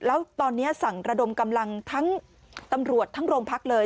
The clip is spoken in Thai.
แล้วตอนนี้สั่งระดมกำลังทั้งตำรวจทั้งโรงพักเลย